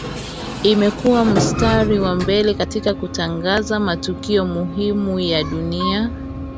Imekua mstari wa mbele katika kutangaza matukio muhimu ya dunia